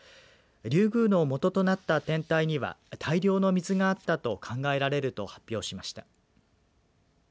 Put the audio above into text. リュウグウの元となった天体には大量の水があったと考えられると発表しました。